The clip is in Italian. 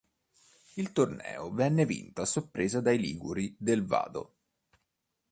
Il torneo venne vinto a sorpresa dai liguri del Vado.